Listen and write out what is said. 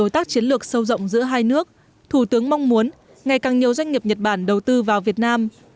thủ tướng mong muốn ngày càng nhiều doanh nghiệp nhật bản đầu tư vào việt nam